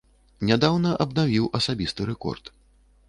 Нядаўна абнавіў асабісты рэкорд.